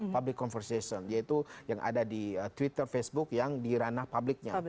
public conversation yaitu yang ada di twitter facebook yang di ranah publiknya